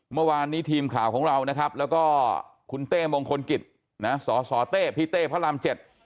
เมื่อวานนี้ทีมข่าวของเรานะครับแล้วก็คุณเต้มงคลกิจนะสสเต้พี่เต้พระรามเจ็ด